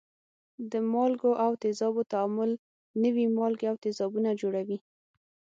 د مالګو او تیزابو تعامل نوي مالګې او تیزابونه جوړوي.